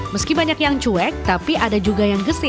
meski banyak yang cuek tapi ada juga yang gesit